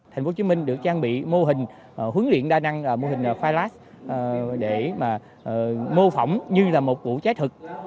tp hcm được trang bị mô hình huấn luyện đa năng mô hình fire blast để mô phỏng như là một vụ cháy thật